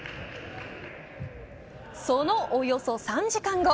そのおよそ３時間後。